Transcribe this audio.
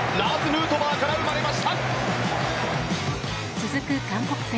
続く韓国戦。